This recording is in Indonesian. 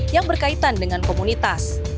yang berkaitan dengan komunitas